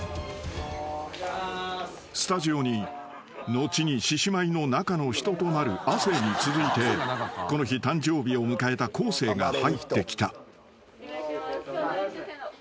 ［スタジオに後に獅子舞の中の人となる亜生に続いてこの日誕生日を迎えた昴生が入ってきた］